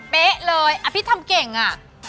เป๊ะเลยพี่ทำเก่งอะ